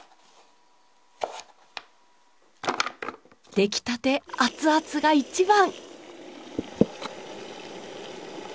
出来たて熱々が一番。